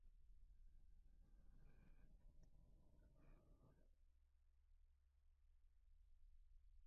The wildcards (in italics) are not counted in overall standings.